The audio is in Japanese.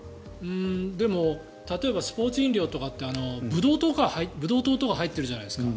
でも、例えばスポーツ飲料とかってブドウ糖とか入ってるじゃないですか。